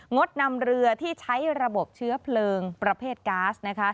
ดนำเรือที่ใช้ระบบเชื้อเพลิงประเภทก๊าซนะคะ